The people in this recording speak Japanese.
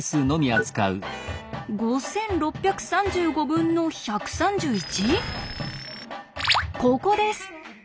５６３５分の１３１？ココです！